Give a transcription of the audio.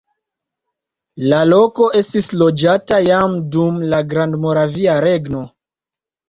La loko estis loĝata jam dum la Grandmoravia Regno.